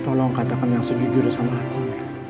tolong katakan yang sejujurnya sama aku el